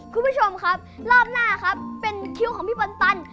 คุณผู้ชมครับรอบหน้าครับเป็นคิ้วของพี่บอลตัน